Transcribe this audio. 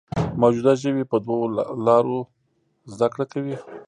موجوده ژوي په دوو لارو زده کړه کوي.